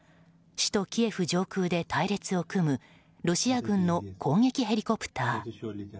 首都キエフ上空で隊列を組むロシア軍の攻撃ヘリコプター。